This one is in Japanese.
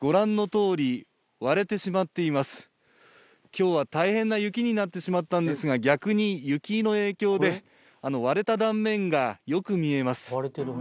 今日は大変な雪になってしまったんですが逆に雪の影響で割れた断面がよく見えます。